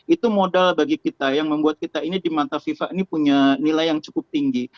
itu modal bagi kita yang membuat kita ini di mata fifa ini punya nilai yang cukup tinggi